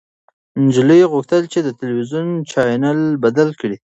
نجلۍ غوښتل چې د تلويزيون چاینل بدل کړي.